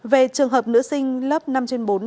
về trường hợp nữ sinh lớp năm trên bốn